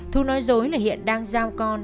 thu nói dối là hiện đang giao con